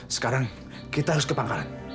sekarang kita harus ke pangkalan